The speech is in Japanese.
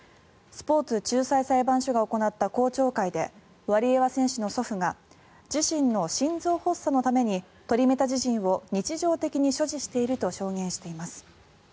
スポーツ仲裁裁判所が行った公聴会でワリエワ選手の祖父が自身の心臓発作のためにトリメタジジンを日常的に所持していると証言しています。